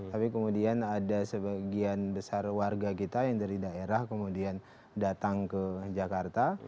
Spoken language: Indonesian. tapi kemudian ada sebagian besar warga kita yang dari daerah kemudian datang ke jakarta